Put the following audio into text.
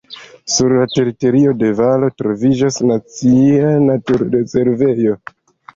Sur la teritorio de valo troviĝas nacia naturrezervejo.